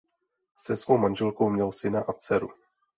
Se svou manželkou měl syna a dceru.